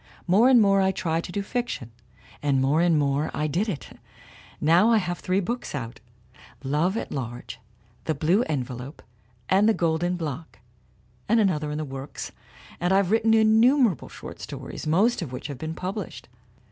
More and more I tried to do fiction, and more and more I did it: now I have three books out Love at Large, The Blue Envelope and The Golden Block and an other in the works, and I've written innumerable short stories, most of which have been published.